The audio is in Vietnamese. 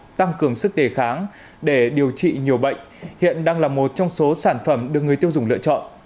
với công dụng tăng cường sức đề kháng để điều trị nhiều bệnh hiện đang là một trong số sản phẩm được người tiêu dùng lựa chọn